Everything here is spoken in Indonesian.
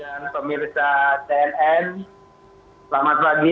dan pemirsa tnn selamat pagi